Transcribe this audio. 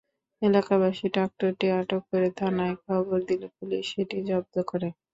এলাকাবাসী ট্রাক্টরটি আটক করে থানায় খবর দিলে পুলিশ সেটি জব্দ করে।